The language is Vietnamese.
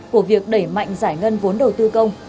của việc đẩy mạnh giải ngân vốn đầu tư công